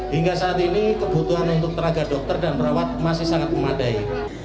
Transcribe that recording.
hingga saat ini kebutuhan untuk tenaga dokter dan perawat masih sangat memadai